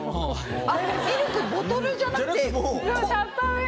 あっミルクボトルじゃなくて。